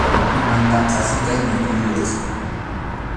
Mana qasi kaymi kuyuyqa.